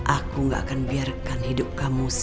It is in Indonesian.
aku gak akan biarkan hidup kamu sia sia